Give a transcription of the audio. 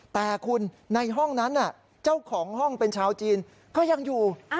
แต่คุณในห้องนั้นเจ้าของห้องเป็นชาวจีนก็ยังอยู่